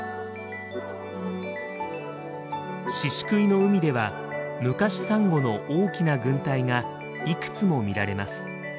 宍喰の海ではムカシサンゴの大きな群体がいくつも見られます。